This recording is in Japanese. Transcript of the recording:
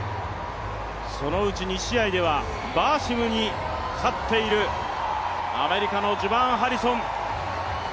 そのうち２試合ではバーシムに勝っているアメリカのジュバーン・ハリソン。